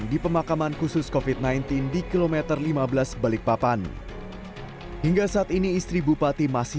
di pemakaman khusus kofit sembilan belas di kilometer lima belas balikpapan hingga saat ini istri bupati masih